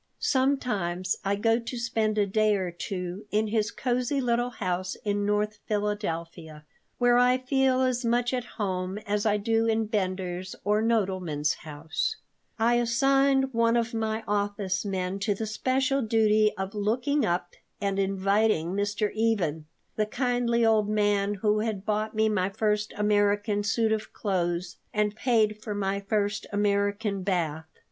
Sometimes I go to spend a day or two in his cozy little house in North Philadelphia, where I feel as much at home as I do in Bender's or Nodelman's house I assigned one of my office men to the special duty of looking up and inviting Mr. Even, the kindly old man who had bought me my first American suit of clothes and paid for my first American bath.